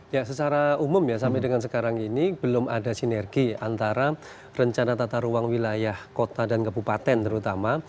ya secara umum ya sampai dengan sekarang ini belum ada sinergi antara rencana tata ruang wilayah kota dan kebupaten terutama